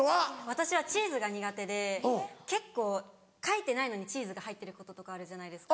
私はチーズが苦手で結構書いてないのにチーズが入ってることとかあるじゃないですか。